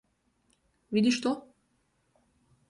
Vidiš to?